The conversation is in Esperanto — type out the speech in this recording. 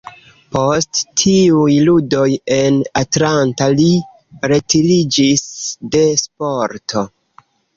Post tiuj ludoj en Atlanta li retiriĝis de sporto.